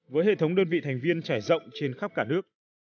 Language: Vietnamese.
với hệ thống đơn vị thành viên trải rộng trên khắp cả nước